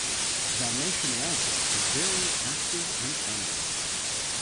Dalmatian rabbits are very active and friendly.